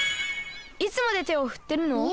いつまでてをふってるの？